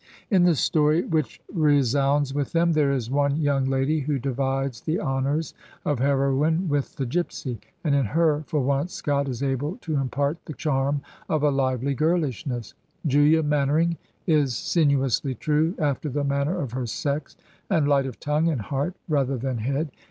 In the story which resoimds with them, there is one young lady who divides the honors of heroine with the gypsy; and in her, for once, Scott is able to impart the charm of a hvely girlishness. Julia Mannering is sinuously true, after the manner of her sex, and light of tongue and heart rather than head.